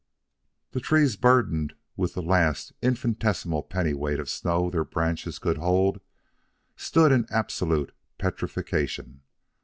The trees, burdened with the last infinitesimal pennyweight of snow their branches could hold, stood in absolute petrifaction.